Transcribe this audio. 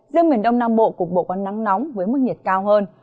riêng miền đông nam bộ cục bộ có nắng nóng với mức nhiệt cao hơn